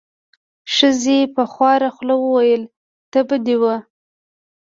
ښځې په خواره خوله وویل: تبه دې وه.